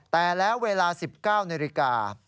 แต่แล้วเวลา๑๙นาฬิกา